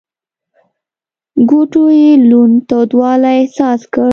ګوتو يې لوند تودوالی احساس کړ.